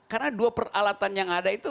karena dua peralatan yang ada itu